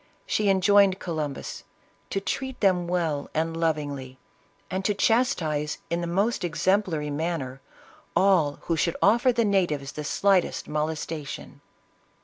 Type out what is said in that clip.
She enjoined on Columbus, " to treat them well and lovingly, and to chastise, in the most exemplary manner, all who should offer the natives the slightest molestation."